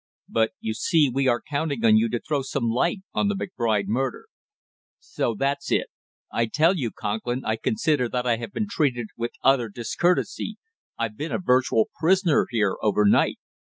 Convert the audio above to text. "But you see we are counting on you to throw some light on the McBride murder." "So that's it! I tell you, Conklin, I consider that I have been treated with utter discourtesy; I've been a virtual prisoner here over night!"